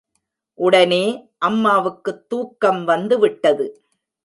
உடனே, அம்மாவுக்குத் தூக்கம் வந்து விட்டது.